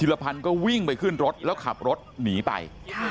รพันธ์ก็วิ่งไปขึ้นรถแล้วขับรถหนีไป